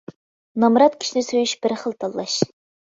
نامرات كىشىنى سۆيۈش بىر خىل تاللاش.